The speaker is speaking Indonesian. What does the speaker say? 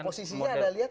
komposisinya ada lihat